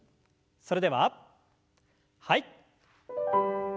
それでははい。